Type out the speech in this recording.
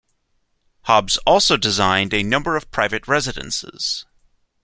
Hobbs also designed a number of private residences.